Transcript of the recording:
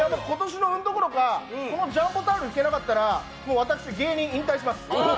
運どころかジャンボタオル引けなかったら私、芸人引退します。